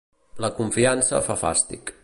La confiança fa fàstic.